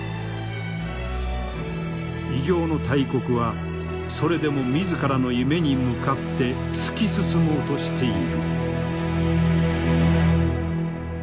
異形の大国はそれでも自らの夢に向かって突き進もうとしている。